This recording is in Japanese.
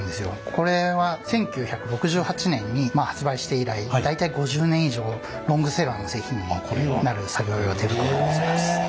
これは１９６８年に発売して以来大体５０年以上ロングセラーの製品になる作業用手袋でございます。